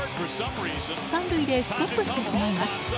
３塁でストップしてしまいます。